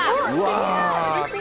うれしい！